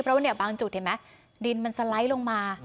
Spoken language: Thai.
เพราะบางจุดเห็นไหมดินมันสไลท์ลงมา